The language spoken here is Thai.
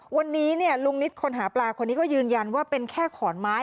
วันนี้ลุงนิดคนหาปลาคนนี้ก็ยืนยันว่าเป็นแค่ขอนไม้